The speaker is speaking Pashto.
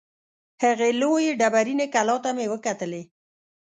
هغې لویې ډبریني کلا ته مې وکتلې.